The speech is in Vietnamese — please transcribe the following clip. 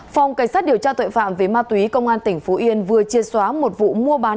phòng cảnh sát điều tra tội phạm về ma túy công an tỉnh phú yên vừa chia xóa một vụ mua bán